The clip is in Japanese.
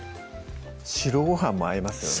白ごはんも合いますよね